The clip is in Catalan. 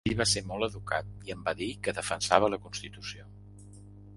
Ell va ser molt educat i em va dir que defensava la constitució.